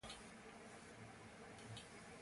Inoltre, l'assedio divenne più complesso.